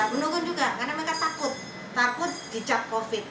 menunggu juga karena mereka takut takut dicap covid